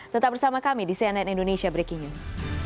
tetap bersama kami di cnn indonesia breaking news